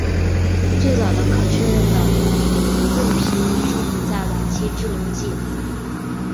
最早的可确认的盾皮鱼生活在晚期志留纪。